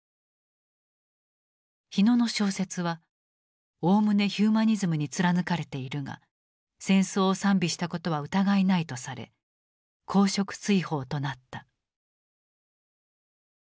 火野の小説は「おおむねヒューマニズムに貫かれているが戦争を賛美したことは疑いない」とされ公職追放となった。